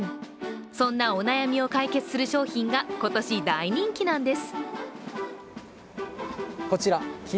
そんなお悩みを解決する商品が今年、大人気なんです。